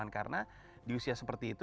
karena di usia seperti itu